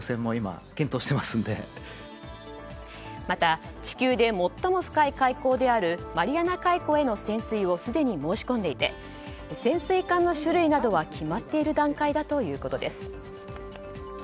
また地球で最も深い海溝であるマリアナ海溝への潜水をすでに申し込んでいて潜水艦の種類などは決まっている段階だということです。